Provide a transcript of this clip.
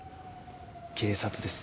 警察です。